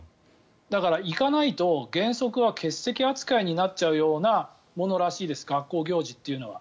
だから行かないと、原則は欠席扱いになっちゃうような学校行事というのは。